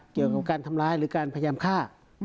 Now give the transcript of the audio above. เกี่ยวกับการทำร้ายหรือการพยายามฆ่า